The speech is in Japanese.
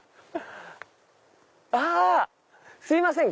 あすいません！